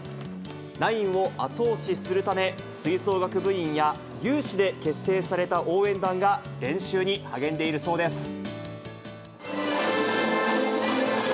ナインを後押しするため、吹奏楽部員や、有志で結成された応援団が練習に励んでいるそうです。